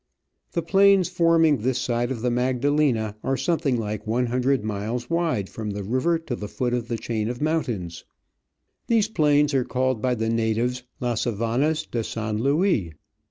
The plains forming this side of the Magdalena are something like one hundred miles wide from the river to the foot of the chain of mountains. These plains are called by the natives La Savannas de San Luis.